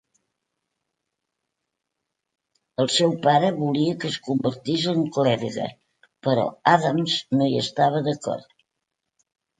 El seu pare volia que es convertís en clergue, però Adams no hi estava d'acord.